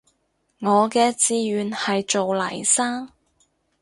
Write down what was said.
我嘅志願係做黎生